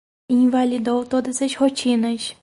Invalidou todas as rotinas